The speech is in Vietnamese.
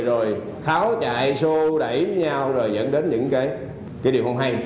rồi tháo chạy xô đẩy nhau rồi dẫn đến những cái điều không hay